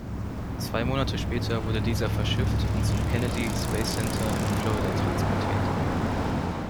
Zwei Monate später wurde dieser verschifft und zum Kennedy Space Center in Florida transportiert.